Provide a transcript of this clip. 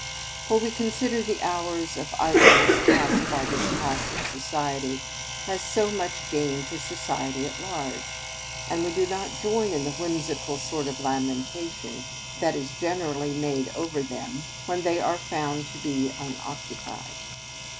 Por we consider the hours of idleness passed by this class of society as so much gain to society at large; and we do not joia in a whimsical sort of lamentation that is generally made over them, when they are found to be unoccupied.